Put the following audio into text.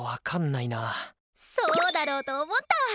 そうだろうと思った。